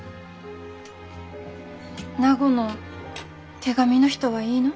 名護の手紙の人はいいの？